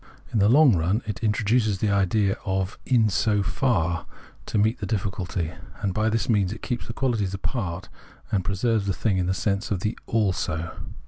In the long run it introduces the idea of " in so far " to meet the difficulty ; and by this means it keeps the quahties apart, and preserves the thing in the sense of the " also."